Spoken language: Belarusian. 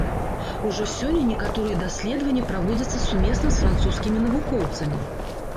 Ужо сёння некаторыя даследаванні праводзяцца сумесна з французскімі навукоўцамі.